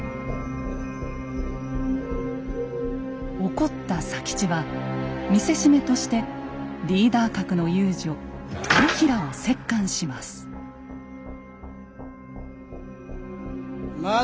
怒った佐吉は見せしめとしてリーダー格の遊女豊平を折檻します。